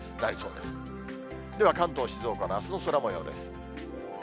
では、関東、静岡のあすの空もようです。